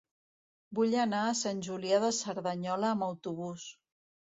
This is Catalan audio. Vull anar a Sant Julià de Cerdanyola amb autobús.